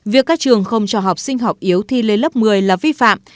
việc các trường không cho học sinh học yếu thi lên lớp một mươi là vi phạm